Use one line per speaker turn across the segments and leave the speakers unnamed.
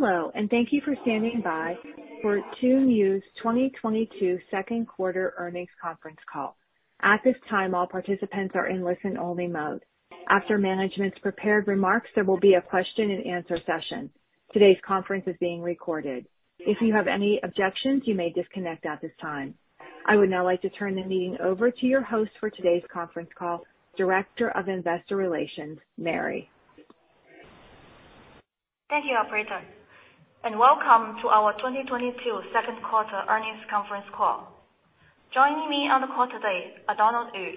Hello, and thank you for standing by for Tuniu's 2022 Second Quarter Earnings Conference Call. At this time, all participants are in listen only mode. After management's prepared remarks, there will be a question and answer session. Today's conference is being recorded. If you have any objections, you may disconnect at this time. I would now like to turn the meeting over to your host for today's conference call, Director of Investor Relations, Mary.
Thank you, operator, and welcome to our 2022 second quarter earnings conference call. Joining me on the call today are Donald Yu,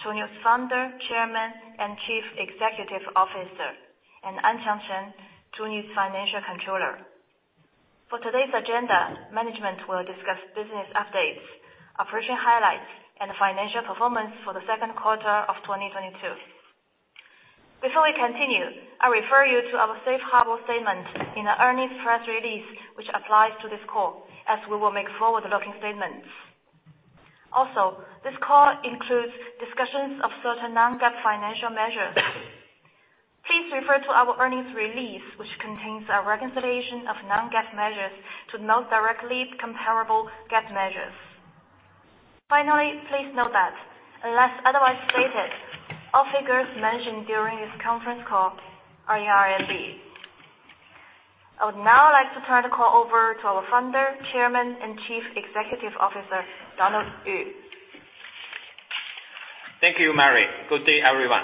Tuniu's Founder, Chairman, and Chief Executive Officer, and Anqiang Chen, Tuniu's Financial Controller. For today's agenda, management will discuss business updates, operation highlights, and financial performance for the second quarter of 2022. Before we continue, I refer you to our safe harbor statement in the earnings press release which applies to this call as we will make forward-looking statements. Also, this call includes discussions of certain non-GAAP financial measures. Please refer to our earnings release, which contains a reconciliation of non-GAAP measures to the most directly comparable GAAP measures. Finally, please note that unless otherwise stated, all figures mentioned during this conference call are in RMB. I would now like to turn the call over to our Founder, Chairman, and Chief Executive Officer, Donald Yu.
Thank you, Mary. Good day, everyone.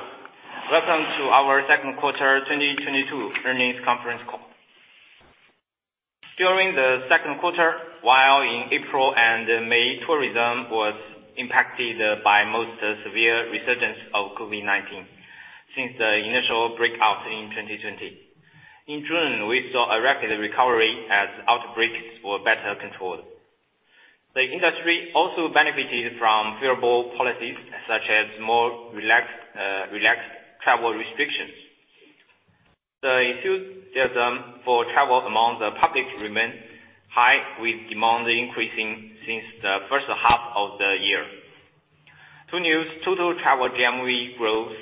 Welcome to our second quarter 2022 earnings conference call. During the second quarter, while in April and May, tourism was impacted by most severe resurgence of COVID-19 since the initial breakout in 2020. In June, we saw a rapid recovery as outbreaks were better controlled. The industry also benefited from favorable policies such as more relaxed travel restrictions. The enthusiasm for travel among the public remained high, with demand increasing since the first half of the year. Tuniu's total travel GMV growth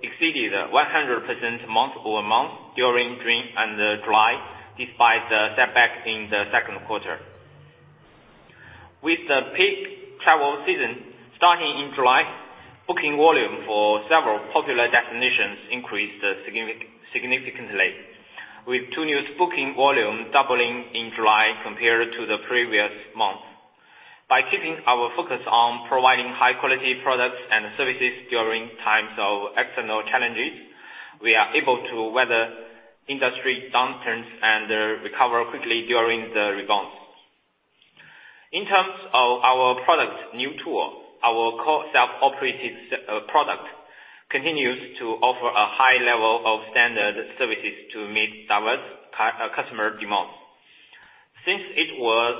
exceeded 100% month-over-month during June and July, despite the setback in the second quarter. With the peak travel season starting in July, booking volume for several popular destinations increased significantly, with Tuniu's booking volume doubling in July compared to the previous month. By keeping our focus on providing high-quality products and services during times of external challenges, we are able to weather industry downturns and recover quickly during the rebounds. In terms of our product, Niu Tour, our core self-operated product continues to offer a high level of standard services to meet diverse customer demands. Since it was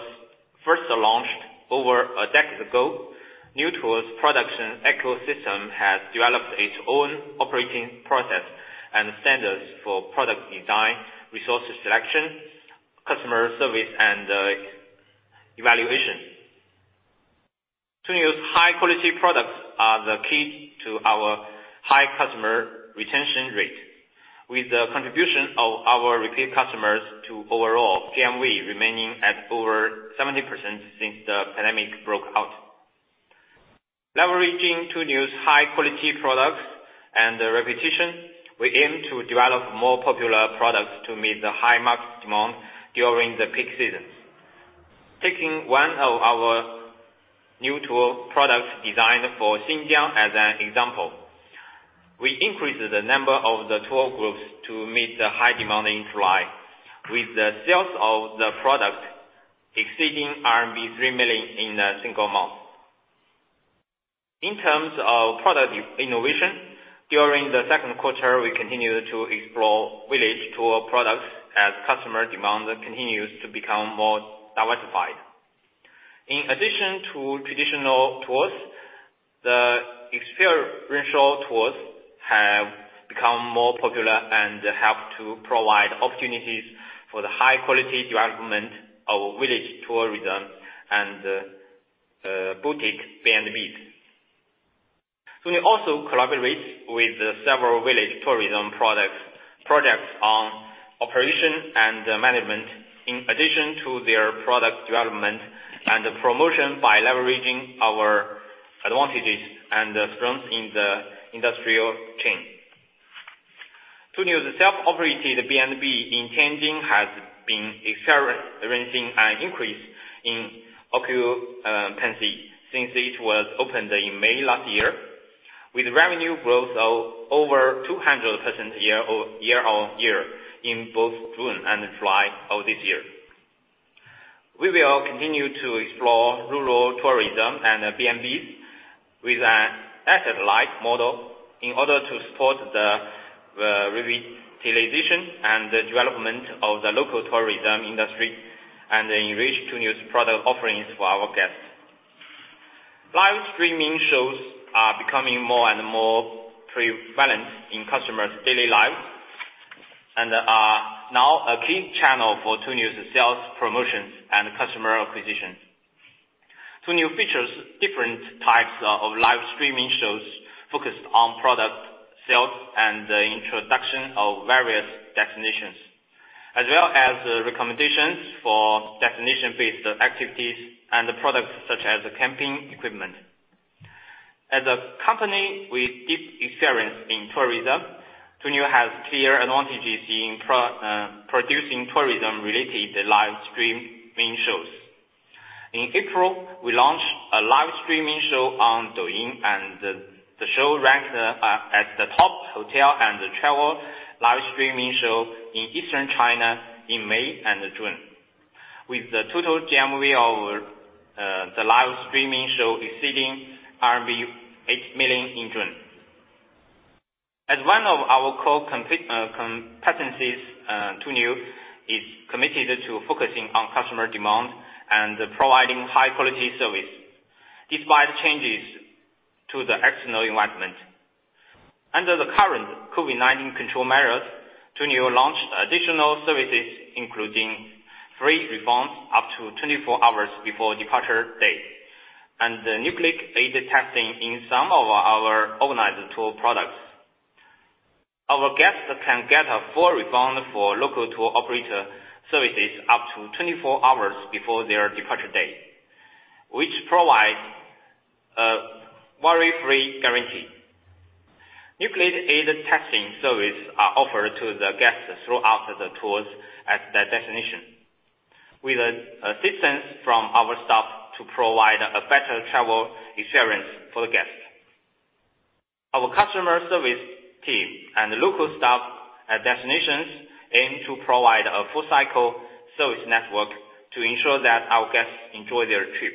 first launched over a decade ago, Niu Tour's production ecosystem has developed its own operating process and standards for product design, resource selection, customer service, and evaluation. Tuniu's high-quality products are the key to our high customer retention rate, with the contribution of our repeat customers to overall GMV remaining at over 70% since the pandemic broke out. Leveraging Tuniu's high-quality products and reputation, we aim to develop more popular products to meet the high market demand during the peak seasons. Taking one of our Niu Tour products designed for Xinjiang as an example, we increased the number of the tour groups to meet the high demand in July, with the sales of the product exceeding RMB 3 million in a single month. In terms of product innovation, during the second quarter, we continued to explore village tour products as customer demand continues to become more diversified. In addition to traditional tours, the experiential tours have become more popular and help to provide opportunities for the high-quality development of village tourism and boutique B&Bs. We also collaborate with several village tourism products on operation and management in addition to their product development and promotion by leveraging our advantages and strengths in the industrial chain. Tuniu's self-operated B&B in Tianjin has been experiencing an increase in occupancy since it was opened in May last year, with revenue growth of over 200% year-over-year in both June and July of this year. We will continue to explore rural tourism and B&Bs with an asset-light model in order to support the revitalization and the development of the local tourism industry and enrich Tuniu's product offerings for our guests. Live streaming shows are becoming more and more prevalent in customers' daily lives and are now a key channel for Tuniu's sales promotions and customer acquisition. Two new features, different types of live streaming shows focused on product sales and the introduction of various destinations, as well as recommendations for destination-based activities and products such as camping equipment. As a company with deep experience in tourism, Tuniu has clear advantages in producing tourism-related live streaming shows. In April, we launched a live streaming show on Douyin, and the show ranked at the top hotel and travel live streaming show in Eastern China in May and June, with the total GMV of the live streaming show exceeding RMB 8 million in June. As one of our core competencies, Tuniu is committed to focusing on customer demand and providing high-quality service despite changes to the external environment. Under the current COVID-19 control measures, Tuniu launched additional services, including free refunds up to 24 hours before departure date, and nucleic acid testing in some of our organized tour products. Our guests can get a full refund for local tour operator services up to 24 hours before their departure date, which provides a worry-free guarantee. Nucleic acid testing services are offered to the guests throughout the tours at their destination, with assistance from our staff to provide a better travel experience for the guests. Our customer service team and local staff at destinations aim to provide a full-cycle service network to ensure that our guests enjoy their trip.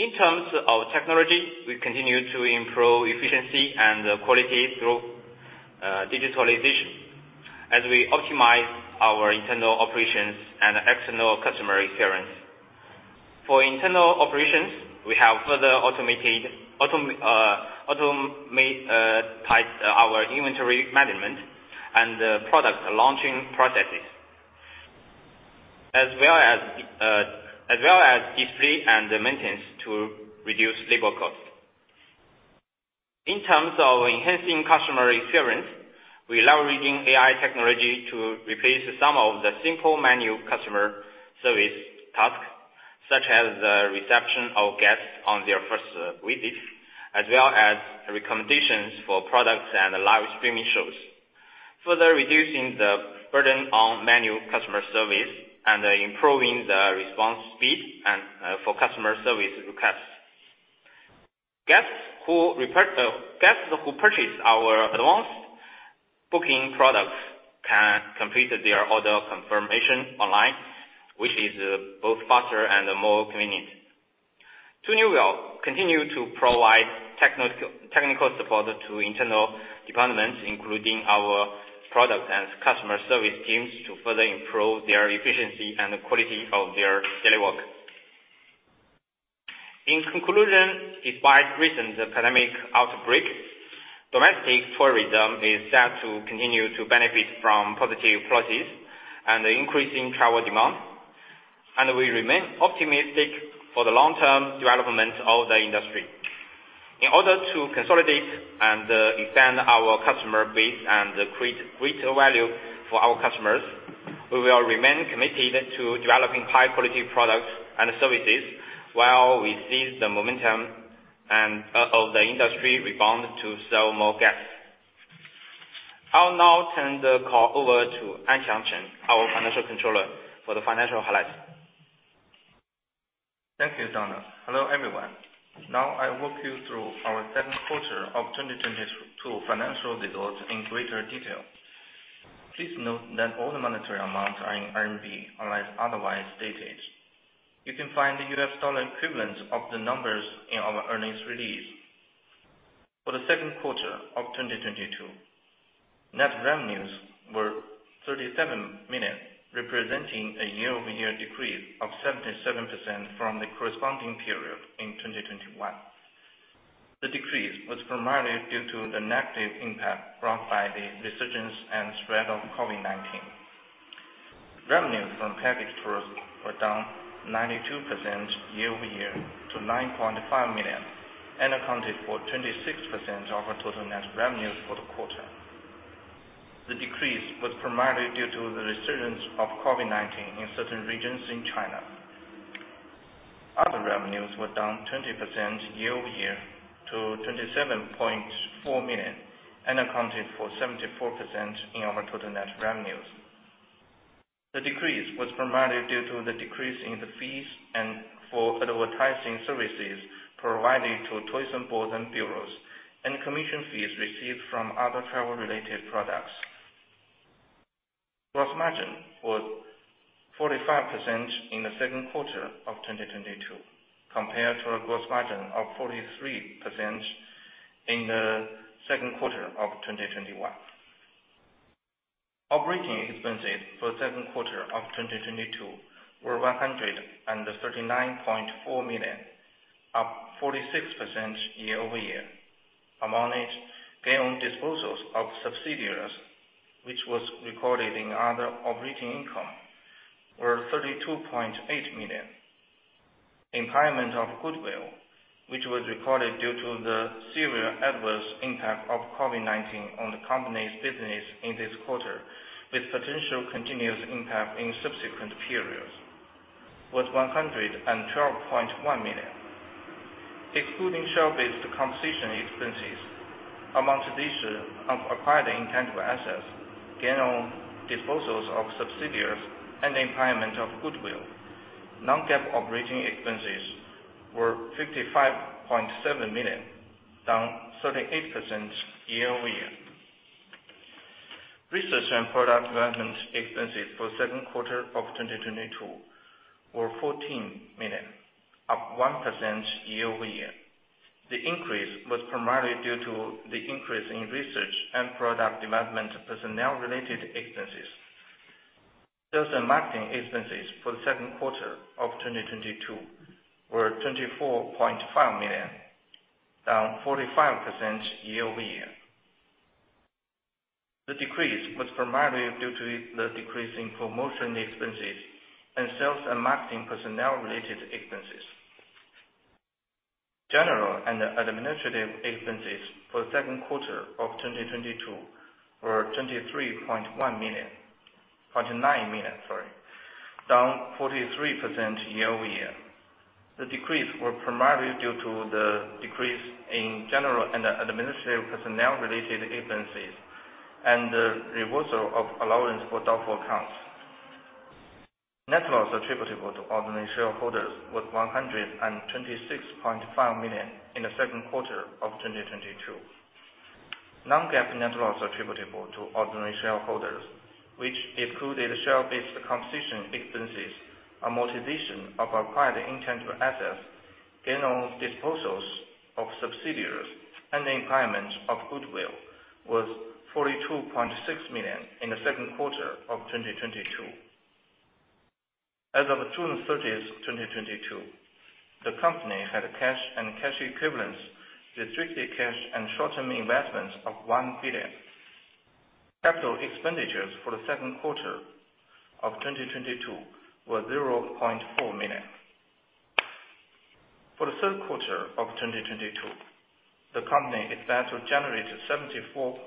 In terms of technology, we continue to improve efficiency and quality through digitalization as we optimize our internal operations and external customer experience. For internal operations, we have further automated our inventory management and product launching processes, as well as display and maintenance to reduce labor costs. In terms of enhancing customer experience, we're leveraging AI technology to replace some of the simple manual customer service tasks, such as reception of guests on their first visit, as well as recommendations for products and live streaming shows. Further reducing the burden on manual customer service and improving the response speed and for customer service requests. Guests who purchase our advanced booking products can complete their order confirmation online, which is both faster and more convenient. Tuniu will continue to provide technical support to internal departments, including our product and customer service teams, to further improve their efficiency and the quality of their daily work. In conclusion, despite recent pandemic outbreak, domestic tourism is set to continue to benefit from positive policies and increasing travel demand, and we remain optimistic for the long-term development of the industry. In order to consolidate and expand our customer base and create greater value for our customers, we will remain committed to developing high-quality products and services while we seize the momentum of the industry rebound to serve more guests. I'll now turn the call over to Anqiang Chen, our Financial Controller, for the financial highlights.
Thank you, Donald. Hello, everyone. Now I walk you through our second quarter of 2022 financial results in greater detail. Please note that all the monetary amounts are in RMB unless otherwise stated. You can find the U.S. dollar equivalents of the numbers in our earnings release. For the second quarter of 2022, net revenues were 37 million, representing a year-over-year decrease of 77% from the corresponding period in 2021. The decrease was primarily due to the negative impact brought by the resurgence and spread of COVID-19. Revenues from packaged tours were down 92% year-over-year to 9.5 million and accounted for 26% of our total net revenues for the quarter. The decrease was primarily due to the resurgence of COVID-19 in certain regions in China. Other revenues were down 20% year-over-year to 27.4 million, and accounted for 74% in our total net revenues. The decrease was primarily due to the decrease in the fees for advertising services provided to tourism boards and bureaus, and commission fees received from other travel-related products. Gross margin was 45% in the second quarter of 2022, compared to a gross margin of 43% in the second quarter of 2021. Operating expenses for the second quarter of 2022 were 139.4 million, up 46% year-over-year. Among it, gain on disposals of subsidiaries, which was recorded in other operating income, were 32.8 million. Impairment of goodwill, which was recorded due to the severe adverse impact of COVID-19 on the company's business in this quarter, with potential continuous impact in subsequent periods, was 112.1 million. Excluding share-based compensation expenses, amortization of acquired intangible assets, gain on disposals of subsidiaries, and impairment of goodwill, non-GAAP operating expenses were 55.7 million, down 38% year-over-year. Research and product development expenses for second quarter of 2022 were 14 million, up 1% year-over-year. The increase was primarily due to the increase in research and product development personnel-related expenses. Sales and marketing expenses for the second quarter of 2022 were 24.5 million, down 45% year-over-year. The decrease was primarily due to the decrease in promotion expenses and sales and marketing personnel-related expenses. General and administrative expenses for the second quarter of 2022 were 29 million, sorry, down 43% year-over-year. The decrease were primarily due to the decrease in general and administrative personnel-related expenses and the reversal of allowance for doubtful accounts. Net loss attributable to ordinary shareholders was 126.5 million in the second quarter of 2022. Non-GAAP net loss attributable to ordinary shareholders, which included share-based compensation expenses, amortization of acquired intangible assets, gain on disposals of subsidiaries, and impairment of goodwill, was 42.6 million in the second quarter of 2022. As of June thirtieth, 2022, the company had cash and cash equivalents, restricted cash and short-term investments of 1 billion. Capital expenditures for the second quarter of 2022 were 0.4 million. For the third quarter of 2022, the company expects to generate 74.5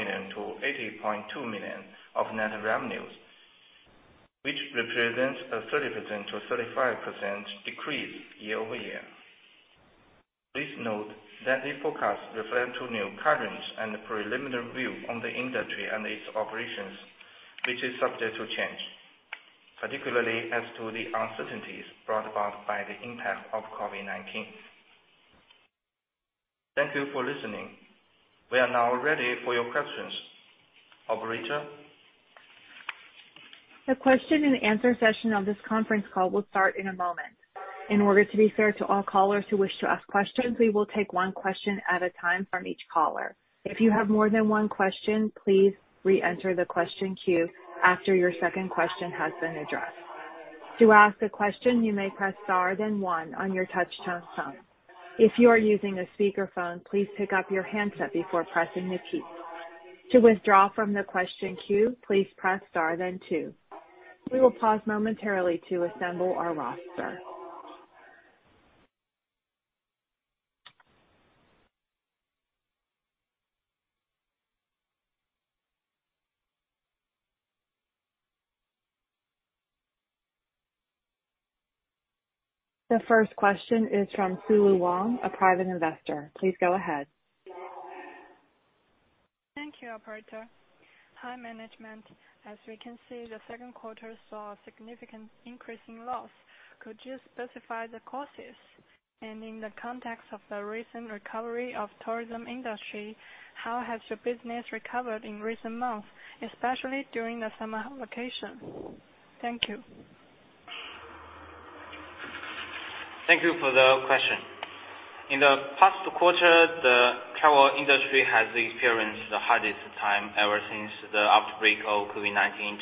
million-80.2 million of net revenues, which represents a 30%-35% decrease year-over-year. Please note that these forecasts reflect current and preliminary view on the industry and its operations, which is subject to change, particularly as to the uncertainties brought about by the impact of COVID-19. Thank you for listening. We are now ready for your questions. Operator?
The question and answer session of this conference call will start in a moment. In order to be fair to all callers who wish to ask questions, we will take one question at a time from each caller. If you have more than one question, please re-enter the question queue after your second question has been addressed. To ask a question, you may press star then one on your touch-tone phone. If you are using a speakerphone, please pick up your handset before pressing the key. To withdraw from the question queue, please press star then two. We will pause momentarily to assemble our roster. The first question is from Lulu Wang, a private investor. Please go ahead.
Thank you, operator. Hi, management. As we can see, the second quarter saw a significant increase in loss. Could you specify the causes? In the context of the recent recovery of tourism industry, how has your business recovered in recent months, especially during the summer vacation? Thank you.
Thank you for the question. In the past quarter, the travel industry has experienced the hardest time ever since the outbreak of COVID-19 in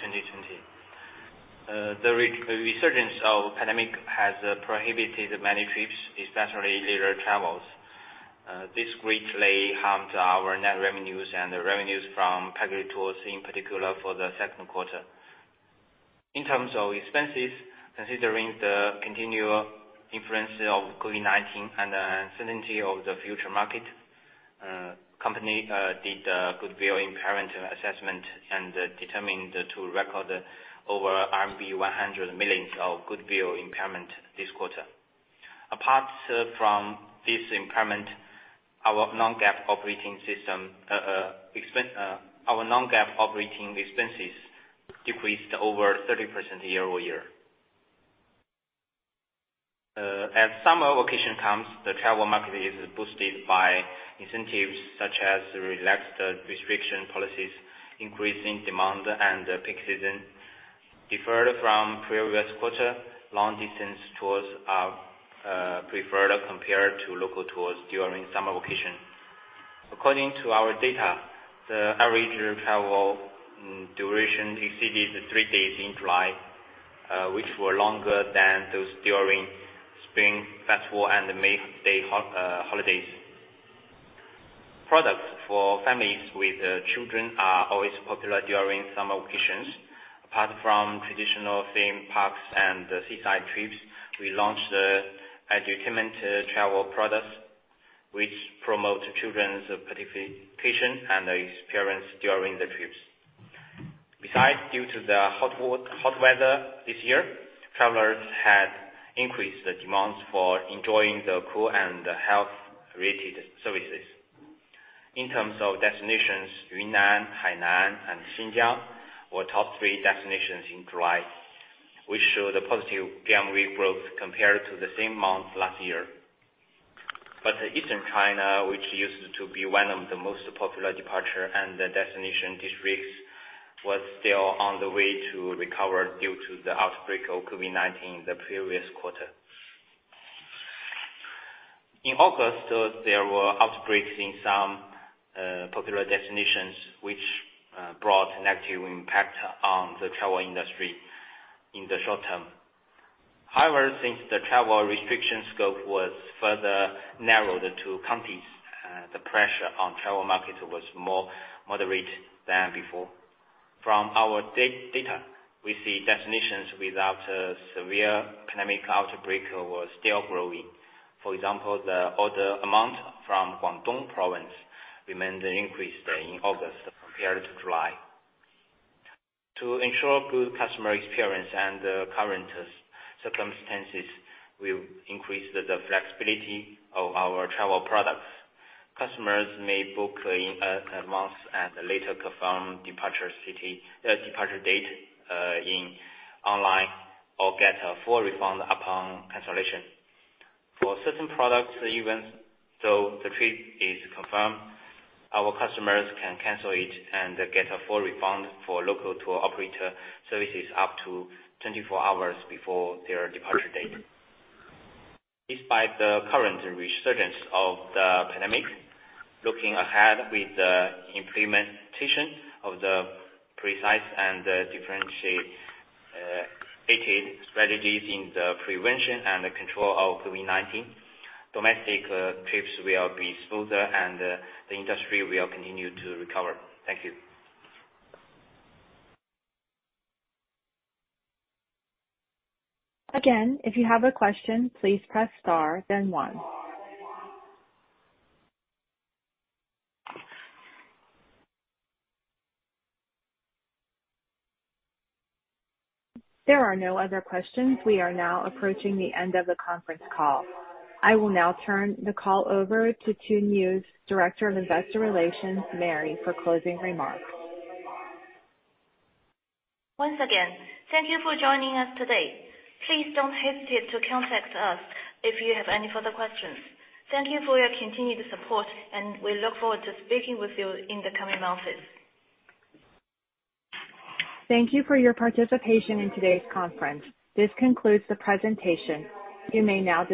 2020. The resurgence of pandemic has prohibited many trips, especially leisure travels. This greatly harmed our net revenues and the revenues from package tours, in particular, for the second quarter. In terms of expenses, considering the continued influence of COVID-19 and the uncertainty of the future market, company did a goodwill impairment assessment and determined to record over RMB 100 million of goodwill impairment this quarter. Apart from this impairment, our non-GAAP operating expenses decreased over 30% year-over-year. As summer vacation comes, the travel market is boosted by incentives such as relaxed restriction policies, increasing demand in the peak season. Deferred from previous quarter, long-distance tours are preferred compared to local tours during summer vacation. According to our data, the average travel duration exceeded three days in July. which were longer than those during Spring Festival and May Day holidays. Products for families with children are always popular during summer vacations. Apart from traditional theme parks and seaside trips, we launched the edutainment travel products, which promote children's participation and experience during the trips. Besides, due to the hot weather this year, travelers had increased the demands for enjoying the cool and health-related services. In terms of destinations, Yunnan, Hainan, and Xinjiang were top three destinations in July, which showed a positive GMV growth compared to the same month last year. Eastern China, which used to be one of the most popular departure and the destination districts, was still on the way to recover due to the outbreak of COVID-19 the previous quarter. In August, there were outbreaks in some popular destinations, which brought negative impact on the travel industry in the short term. However, since the travel restriction scope was further narrowed to countries, the pressure on travel markets was more moderate than before. From our data, we see destinations without a severe pandemic outbreak were still growing. For example, the order amount from Guangdong Province remained increased in August compared to July. To ensure good customer experience and current circumstances, we increased the flexibility of our travel products. Customers may book in months and later confirm departure city, departure date, online or get a full refund upon cancellation. For certain products, even though the trip is confirmed, our customers can cancel it and get a full refund for local tour operator services up to 24 hours before their departure date. Despite the current resurgence of the pandemic, looking ahead with the implementation of the precise and differentiated strategies in the prevention and control of COVID-19, domestic trips will be smoother and the industry will continue to recover. Thank you.
Again, if you have a question, please press star then one. There are no other questions. We are now approaching the end of the conference call. I will now turn the call over to Tuniu's Director of Investor Relations, Mary, for closing remarks.
Once again, thank you for joining us today. Please don't hesitate to contact us if you have any further questions. Thank you for your continued support and we look forward to speaking with you in the coming months.
Thank you for your participation in today's conference. This concludes the presentation. You may now disconnect.